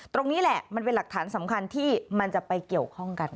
ตรงนี้แหละมันเป็นหลักฐานสำคัญที่มันจะไปเกี่ยวข้องกัน